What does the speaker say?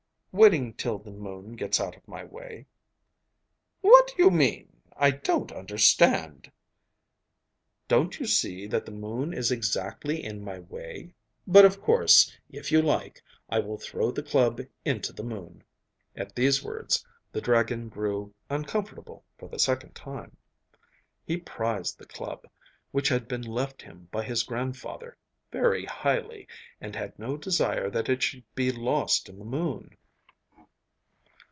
'Waiting till the moon gets out of my way.' 'What do you mean? I don't understand.' 'Don't you see that the moon is exactly in my way? But of course, if you like, I will throw the club into the moon.' At these words the dragon grew uncomfortable for the second time. He prized the club, which had been left him by his grandfather, very highly, and had no desire that it should be lost in the moon.